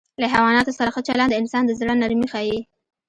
له حیواناتو سره ښه چلند د انسان د زړه نرمي ښيي.